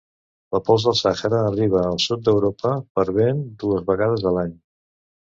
La pols del Sahara arriba al sud d'Europa per vent dues vegades a l'any.